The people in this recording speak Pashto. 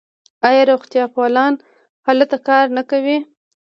آیا روغتیاپالان هلته کار نه کوي؟